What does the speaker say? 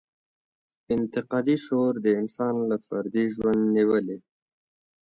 انتقادي شعور د انسان له فردي ژوند نېولې.